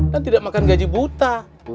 dan tidak makan gaji buta